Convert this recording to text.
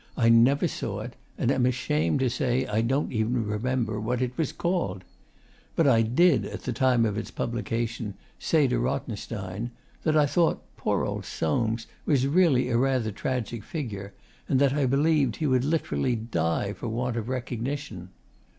I never saw it, and am ashamed to say I don't even remember what it was called. But I did, at the time of its publication, say to Rothenstein that I thought poor old Soames was really a rather tragic figure, and that I believed he would literally die for want of recognition.